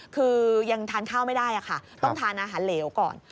คือยังทานข้าวไม่ได้ค่ะต้องทานอาหารเหลวก่อน